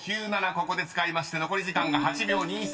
ここで使いまして残り時間が８秒２３］